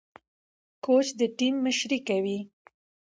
کوچ د ټيم مشري کوي.